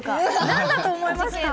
何だと思いますか？